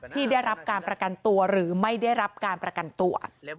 ที่ได้รับการประกันตัวหรือไม่ได้รับการประกันตัว